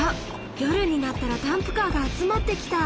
夜になったらダンプカーが集まってきた！